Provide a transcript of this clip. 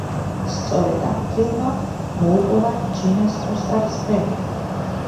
სწორედ ამ ფილმმა მოუპოვა ჯინას ოსკარის პრემია.